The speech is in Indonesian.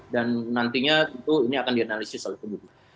dan nantinya ini akan dianalisis selanjutnya